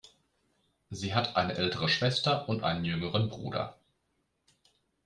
Sie hat eine ältere Schwester und einen jüngeren Bruder.